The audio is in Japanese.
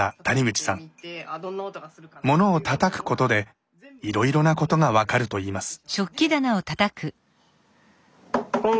物をたたくことでいろいろなことが分かるといいます。